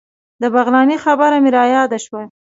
د بغلاني خبره مې رایاده شوه.